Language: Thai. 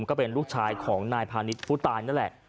แต่ระหว่างด้วยเพล่านี่